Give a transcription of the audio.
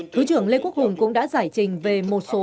thủ tướng lê quốc hùng cũng đã giải trình về một số tội phạm này